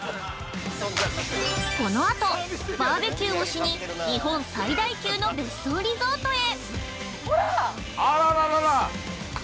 ◆このあと、バーベキューをしに日本最大級の別荘リゾートへ！